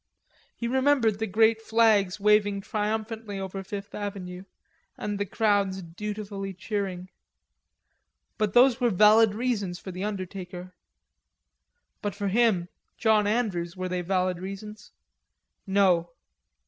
He remembered the great flags waving triumphantly over Fifth Avenue, and the crowds dutifully cheering. But those were valid reasons for the undertaker; but for him, John Andrews, were they valid reasons? No.